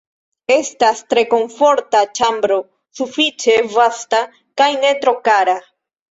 Estas tre komforta ĉambro, sufiĉe vasta kaj ne tro kara.